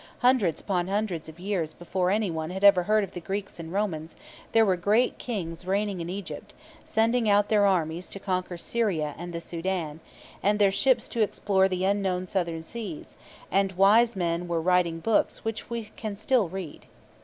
Hundreds upon hundreds of years before anyone had ever heard of the Greeks and the Romans, there were great Kings reigning in Egypt, sending out their armies to conquer Syria and the Soudan, and their ships to explore the unknown southern seas, and wise men were writing books which we can still read.